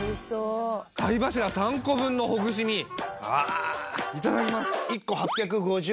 貝柱３個分のほぐし身ああいただきます